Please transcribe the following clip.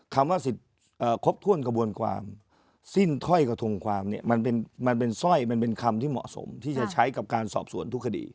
คำว่าสิทธิ์ครบถ้วนกระบวนความสิ้นถ้อยกระทงความเนี่ยมันเป็นสร้อยมันเป็นคำที่เหมาะสมที่จะใช้กับการสอบสวนทุกคดี